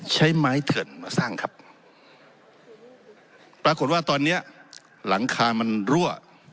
ใช้ไม้เถื่อนมาสร้างครับปรากฏว่าตอนเนี้ยหลังคามันรั่ว